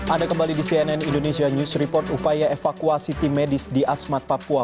ada kembali di cnn indonesia news report upaya evakuasi tim medis di asmat papua